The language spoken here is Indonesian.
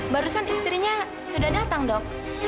barusan istrinya sudah datang dok